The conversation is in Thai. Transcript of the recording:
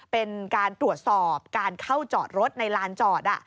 เป็นการตรวจสอบการเข้าจอดรถในลานจอด